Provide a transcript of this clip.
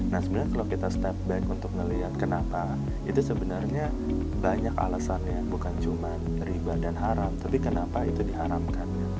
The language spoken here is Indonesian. nah sebenarnya kalau kita step back untuk melihat kenapa itu sebenarnya banyak alasannya bukan cuma riba dan haram tapi kenapa itu diharamkan